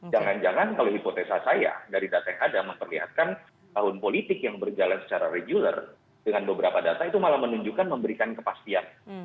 jangan jangan kalau hipotesa saya dari data yang ada memperlihatkan tahun politik yang berjalan secara regular dengan beberapa data itu malah menunjukkan memberikan kepastian